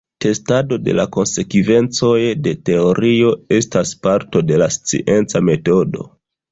Testado de la konsekvencoj de teorio estas parto de la scienca metodo.